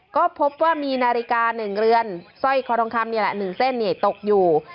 ก็พบว่ามีนาฬิกา๑เรือนสร้อยคอทองคำนี่แหละ๑เส้นตกอยู่